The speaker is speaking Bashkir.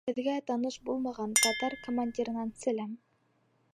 Һеҙгә таныш булмаған татар командирынан сәләм!